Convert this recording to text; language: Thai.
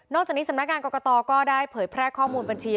จากนี้สำนักงานกรกตก็ได้เผยแพร่ข้อมูลบัญชี